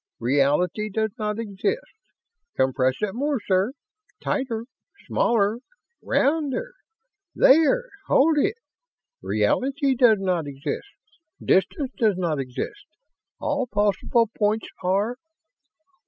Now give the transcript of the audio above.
Reality does not exist! Compress it more, sir. Tighter! Smaller! Rounder! There! Hold it! Reality does not exist distance does not exist all possible points are....